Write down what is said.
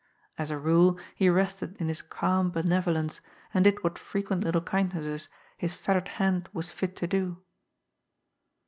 As a rule, he rested in his calm benevolence, and did what frequent little kindnesses his fettered hand was fit to do.